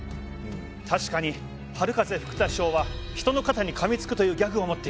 確かに春風ふくた師匠は人の肩に噛み付くというギャグを持っています。